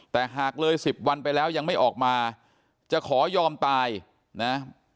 แต่หากเลย๑๐วันไปแล้วยังไม่ออกมาจะขอยอมตายนะ